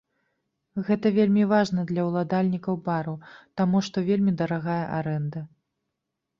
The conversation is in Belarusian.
Гэта вельмі важна для уладальнікаў бараў, таму што вельмі дарагая арэнда.